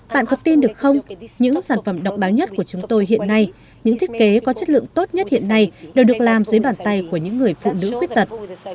bạn có tin được không những sản phẩm độc đáo nhất của chúng tôi hiện nay những thiết kế có chất lượng tốt nhất hiện nay đều được làm dưới bàn tay của những người phụ nữ khuyết tật